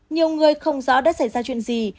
nhiều người không rõ đã xảy ra chuyện gì